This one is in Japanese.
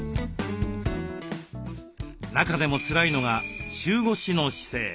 中でもつらいのが中腰の姿勢。